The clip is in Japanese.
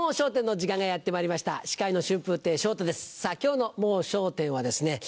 今日の『もう笑点』はですね